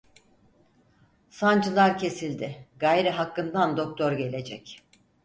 Sancılar kesildi, gayrı hakkından doktor gelecek.